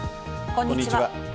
こんにちは。